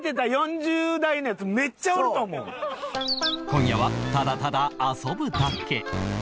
今夜はただただ遊ぶだけ